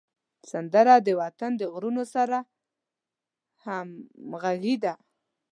سندره د وطن د غرونو سره همږغي ده